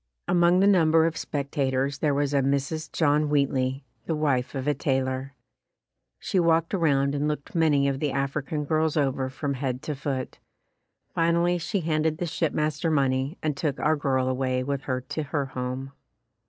Among the number of spec tators there was a Mrs. John Wheatley, the wife of a tailor. She walked around and looked many of the African girls over from head to foot. Final ly she handed the shipmaster money and took our girl away with her to her home.